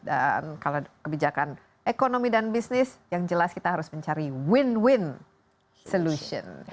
dan kalau kebijakan ekonomi dan bisnis yang jelas kita harus mencari win win solution